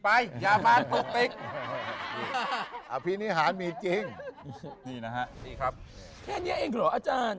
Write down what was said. ไปอย่าพาตกติกอภินิฮารมีจริงนี่นะครับแค่นี้เองเหรออาจารย์